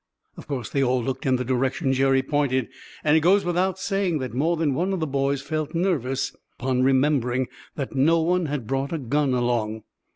Of course they all looked in the direction Jerry pointed, and it goes without saying that more than one of the boys felt nervous upon remembering that no one had brought a gun along.